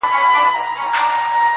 ما جوړ کړی دی دربار نوم مي امیر دی!.